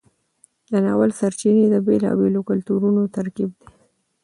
د ناول سرچینې د بیلابیلو کلتورونو ترکیب دی.